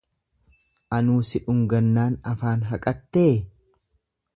Anuu si dhungannaan afaan haqattee?.